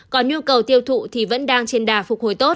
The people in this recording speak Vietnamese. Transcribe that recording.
còn nhu cầu tiêu thụ thì vẫn đang trên đà phục hồi tốt